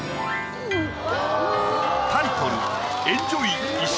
タイトル。